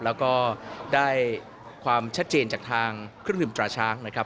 แล้วก็ได้ความชัดเจนจากทางเครื่องถึงตราช้าง